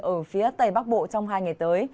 ở phía tây bắc bộ trong hai ngày tới